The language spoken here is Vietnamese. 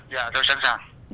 dạ tôi sẵn sàng